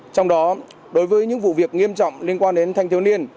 trong đó đối với những vụ việc nghiêm trọng liên quan đến thanh thiếu niên